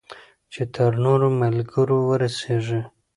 چې تر نورو ملګرو ورسیږي.